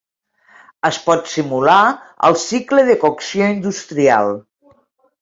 Es pot simular el cicle de cocció industrial.